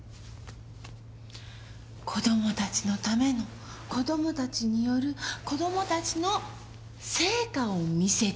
子供たちのための子供たちによる子供たちの成果を見せてほしかったのに。